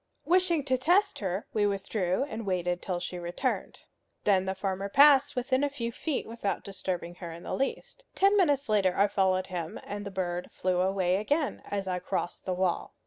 Wishing to test her, we withdrew and waited till she returned. Then the farmer passed within a few feet without disturbing her in the least. Ten minutes later I followed him, and the bird flew away again as I crossed the wall.